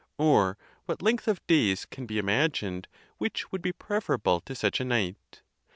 or what length of days can be imagined which would be preferable to such anight?